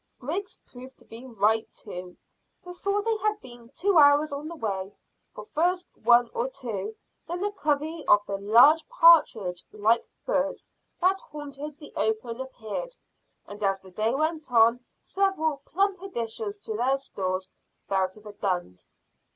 Griggs proved to be right, too, before they had been two hours on the way, for first one or two, then a covey of the large partridge like birds that haunted the open appeared, and as the day went on several plump additions to their stores fell to the guns.